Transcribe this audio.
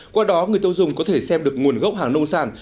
qua đó người tiêu dùng có thể xem được nguồn gốc hàng nông sản